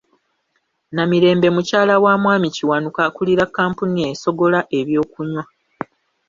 Namirembe mukyala wa Mwami Kiwanuka akulira kampuni essogola ebyokunywa.